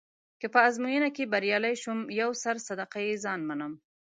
که په ازموینه کې بریالی شوم یو سر صدقه يه ځان منم.